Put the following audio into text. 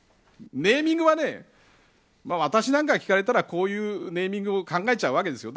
ネーミングは私なんかが聞かれたらこういうネーミングを考えちゃいます。